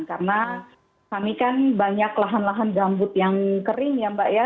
karena kami kan banyak lahan lahan gambut yang kering ya mbak ya